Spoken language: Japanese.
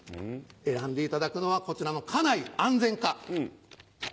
選んでいただくのはこちらの家内安全か。